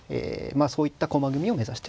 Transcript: そういった駒組みを目指してると。